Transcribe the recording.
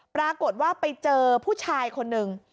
ปรากฏว่าไปเจอผู้ชายคนหนึ่ง